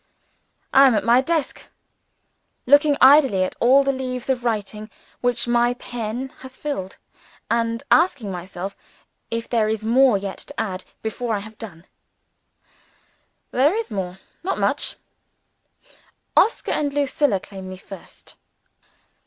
I am at my desk; looking idly at all the leaves of writing which my pen has filled, and asking myself if there is more yet to add, before I have done. There is more not much. Oscar and Lucilla claim me first.